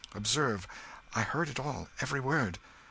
Observe, I heard it all every word.